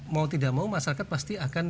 mau tidak mau masyarakat pasti akan